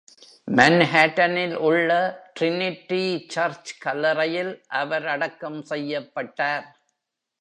மன்ஹாட்டனில் உள்ள Trinity church கல்லறையில் அவர் அடக்கம் செய்யப்பட்டார்.